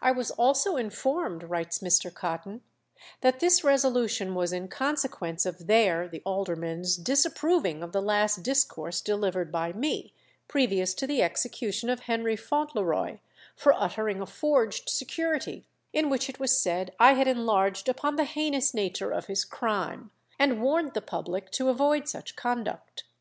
"I was also informed," writes Mr. Cotton, "that this resolution was in consequence of their (the aldermen's) disapproving of the last discourse delivered by me, previous to the execution of Henry Fauntleroy for uttering a forged security, in which it was said I had enlarged upon the heinous nature of his crime, and warned the public to avoid such conduct.